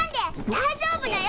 大丈夫だよ